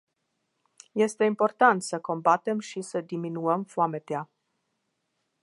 Este important să combatem și să diminuăm foametea.